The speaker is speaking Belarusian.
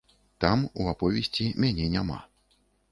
Там, у аповесці, мяне няма.